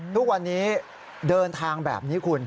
ทุกวันนี้เดินทางแบบนี้คุณ